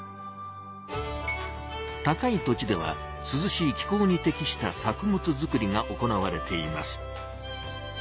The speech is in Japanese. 高い土地ではすずしい気候に適した作物作りが行われています。